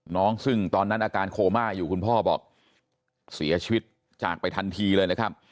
ซึ่งตอนนั้นอาการโคม่าอยู่คุณพ่อบอกเสียชีวิตจากไปทันทีเลยนะครับ